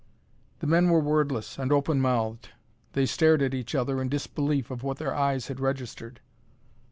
The men were wordless and open mouthed. They stared at each other in disbelief of what their eyes had registered.